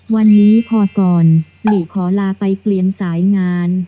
วันนี้พอก่อนหลีขอลาไปเปลี่ยนสายงาน